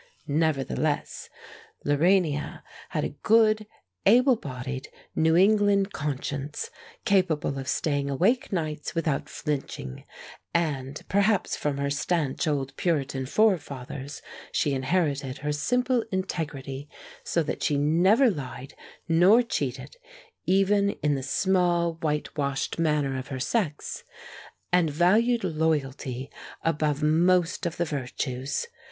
Nevertheless, Lorania had a good, able bodied, New England conscience, capable of staying awake nights without flinching; and perhaps from her stanch old Puritan forefathers she inherited her simple integrity so that she neither lied nor cheated even in the small, whitewashed manner of her sex and valued loyalty above most of the virtues.